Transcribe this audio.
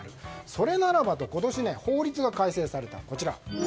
それならばと今年、法律が改正されました。